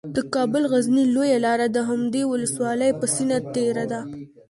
د کابل غزني لویه لاره د همدې ولسوالۍ په سینه تیره ده